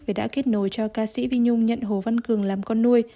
vì đã kết nối cho ca sĩ vi nhung nhận hồ văn cường làm con nuôi